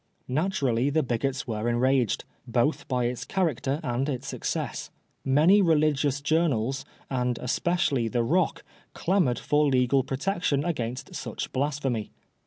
Naturally the bigots were enraged, both by its character and its success. Many religious Journals, and especially the Rock, clamored for legal protection against such '< blasphemy."